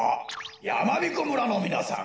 やまびこ村のみなさん